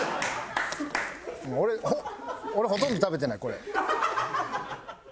俺ほとんど食べてないこれ。